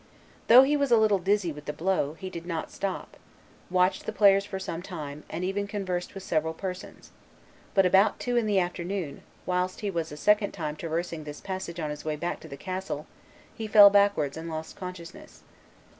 Though he was a little dizzy with the blow, he did not stop, watched the players for some time, and even conversed with several persons; but about two in the afternoon, whilst he was a second time traversing this passage on his way back to the castle, he fell backwards and lost consciousness.